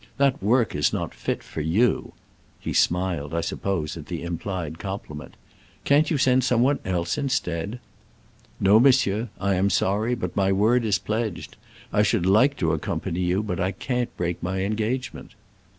That work is not fit for you'' (he smiled, I supposed at the implied comphment) :'* can't you send some one else instead?" No, monsieur. I am sorry, but my word is pledged. I should like to accompany you, but I can't break my engagement."